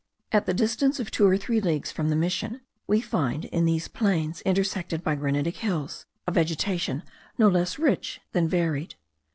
At the distance of two or three leagues from the Mission, we find, in these plains intersected by granitic hills, a vegetation no less rich than varied.